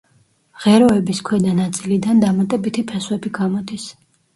ღეროების ქვედა ნაწილიდან დამატებითი ფესვები გამოდის.